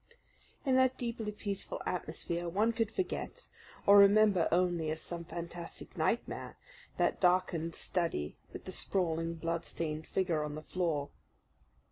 In that deeply peaceful atmosphere one could forget, or remember only as some fantastic nightmare, that darkened study with the sprawling, bloodstained figure on the floor.